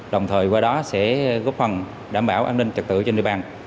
đồng thời qua đó sẽ góp phần đảm bảo an ninh trật tự trên địa bàn